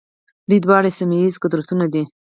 دوی دواړه سیمه ییز قدرتونه دي.